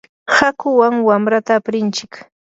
hakuwan wamrata aprinchik.